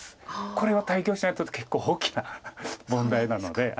これは対局者にとって結構大きな問題なので。